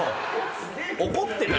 怒ってる。